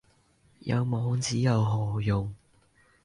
有網址有何用